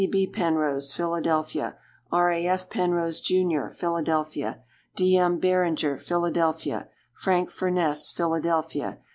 C. B. Penrose, Philadelphia. R. A. F. Penrose, Jr., Philadelphia. D. M. Barringer, Philadelphia. Frank Furness, Philadelphia.